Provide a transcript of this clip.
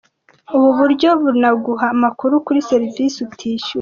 Ubu buryo bunaguha amakuru kuri serivisi utishyuye.